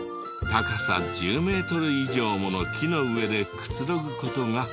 高さ１０メートル以上もの木の上でくつろぐ事が。